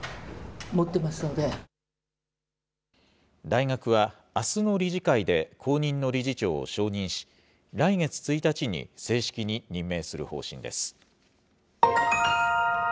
大学は、あすの理事会で、後任の理事長を承認し、来月１日に正式に任命する方針です。